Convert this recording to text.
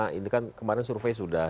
nah ini kan kemarin survei sudah